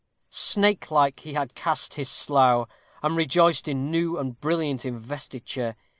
Snakelike he had cast his slough, and rejoiced in new and brilliant investiture.